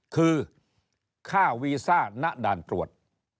คือค่าวีซ่าณด่านตรวจ